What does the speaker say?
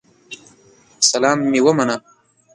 سلام مي ومنه